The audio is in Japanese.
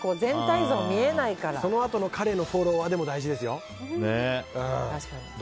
そのあとの彼のフォローは大事ですよ。